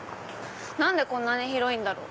何でこんなに広いんだろう？